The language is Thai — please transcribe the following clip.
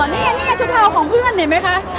อ๋อนี่ชุดเท้าของเพื่อนเห็นมั้ยคะ